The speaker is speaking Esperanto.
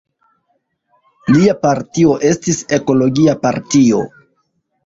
Lia partio estis Ekologia partio.